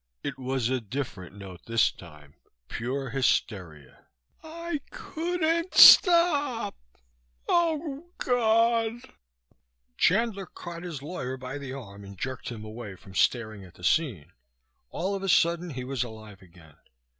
It was a different note this time, pure hysteria: "I couldn't stop. Oh, God." Chandler caught his lawyer by the arm and jerked him away from staring at the scene. All of a sudden he was alive again.